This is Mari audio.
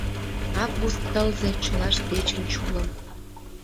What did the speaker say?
Август тылзе чылашт дечын чулым.